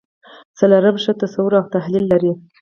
څلورم ښه تصور او تحلیل لري.